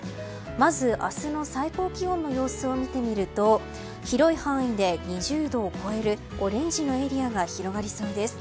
まず、明日の最高気温の様子を見てみると広い範囲で２０度を超えるオレンジのエリアが広がりそうです。